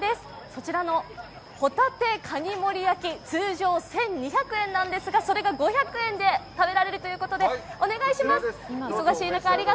そちらの、帆立かに盛り焼き通常１２００円ですがそれが５００円で食べられるということで、お願いします。